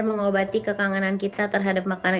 mengobati kekangenan kita terhadap makanan